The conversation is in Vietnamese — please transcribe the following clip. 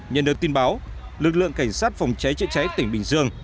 nhận được tin báo lực lượng cảnh sát phòng cháy chữa cháy tỉnh bình dương